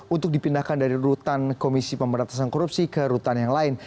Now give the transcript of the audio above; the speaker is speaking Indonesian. untuk dipindahkan dari rutan komisi pemberantasan korupsi ke rutan yang lain